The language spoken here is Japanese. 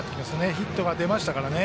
ヒットが出ましたからね。